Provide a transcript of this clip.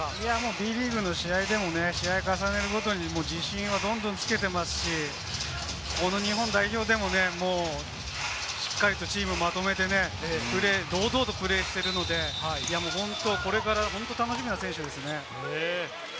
Ｂリーグの試合でも、試合を重ねるごとに自信をどんどんつけていますし、この日本代表でもしっかりとチームをまとめてね、堂々とプレーしているので、これから本当に楽しみな選手ですね。